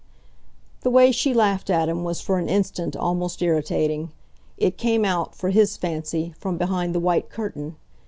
The way she laughed at him was for an instant almost irritating; it came out, for his fancy, from behind the white curtain.